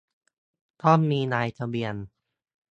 ต้องมีนายทะเบียน